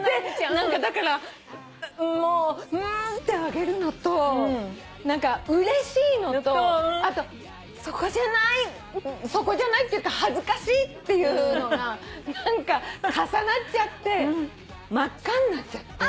何かだからもううんって上げるのと何かうれしいのとあとそこじゃないっていうか恥ずかしいっていうのが何か重なっちゃって真っ赤になっちゃって。